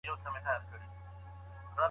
په لاس خط لیکل د ښو اړیکو د ساتلو لاره ده.